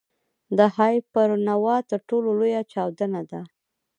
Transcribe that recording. د هایپرنووا تر ټولو لویه چاودنه ده.